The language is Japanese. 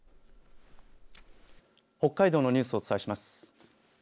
北海道のニュースをお伝えします。